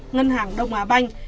ngân hàng đông á banh